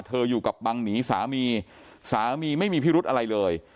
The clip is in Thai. อยู่กับบังหนีสามีสามีไม่มีพิรุธอะไรเลย